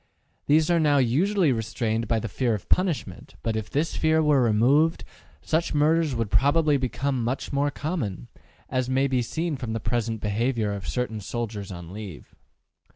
These are now usually restrained by the fear of punishment, but if this fear were removed, such murders would probably become much more common, as may be seen from the present behavior of certain soldiers on leave.